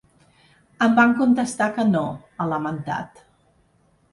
Em van contestar que no, ha lamentat.